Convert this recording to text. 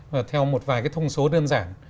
và theo một vài thông số đơn giản